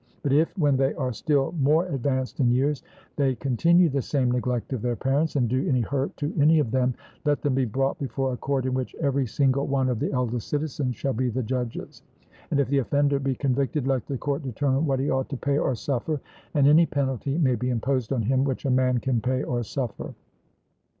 But if, when they are still more advanced in years, they continue the same neglect of their parents, and do any hurt to any of them, let them be brought before a court in which every single one of the eldest citizens shall be the judges, and if the offender be convicted, let the court determine what he ought to pay or suffer, and any penalty may be imposed on him which a man can pay or suffer.